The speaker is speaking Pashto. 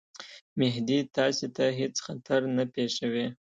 مهدي تاسي ته هیڅ خطر نه پېښوي.